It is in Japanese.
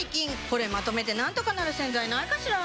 これまとめてなんとかなる洗剤ないかしら？